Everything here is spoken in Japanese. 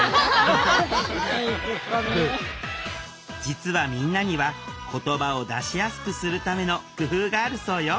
実はみんなには言葉を出しやすくするための工夫があるそうよ。